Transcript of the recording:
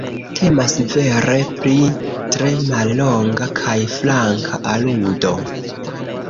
Temas vere pri tre mallonga kaj flanka aludo.